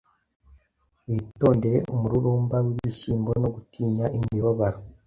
Witondere umururumba wibyishimo no gutinya imibabaro